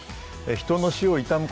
人の死を悼む